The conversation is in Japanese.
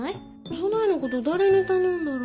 そないなこと誰に頼んだら。